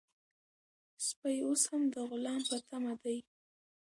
سپی اوس هم د غلام په تمه دی.